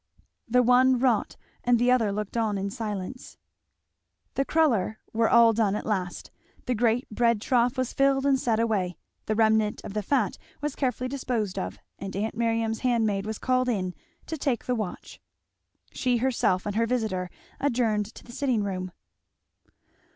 The one wrought and the other looked on in silence. The cruller were all done at last; the great bread trough was filled and set away; the remnant of the fat was carefully disposed of, and aunt Miriam's handmaid was called in to "take the watch." She herself and her visitor adjourned to the sitting room.